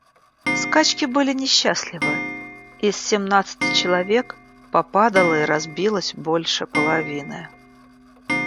Скачки были несчастливы, и из семнадцати человек попадало и разбилось больше половины.